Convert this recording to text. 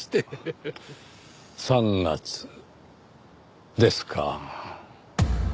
３月ですか。